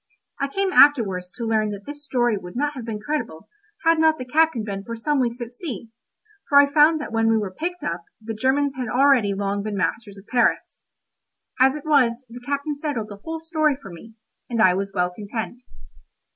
I came afterwards to learn that this story would not have been credible, had not the captain been for some weeks at sea, for I found that when we were picked up, the Germans had already long been masters of Paris. As it was, the captain settled the whole story for me, and I was well content.